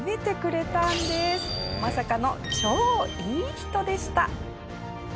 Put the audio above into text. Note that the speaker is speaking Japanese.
まさかの超いい人でした。